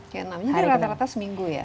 jadi rata rata seminggu ya